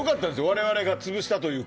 我々が潰したというか。